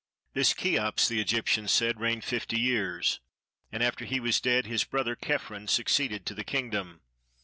This Cheops, the Egyptians said, reigned fifty years; and after he was dead his brother Chephren succeeded to the kingdom.